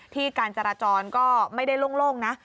การจราจรก็ไม่ได้โล่งนะ